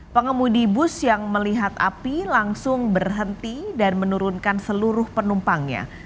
pengemudi bus yang melihat api langsung berhenti dan menurunkan seluruh penumpangnya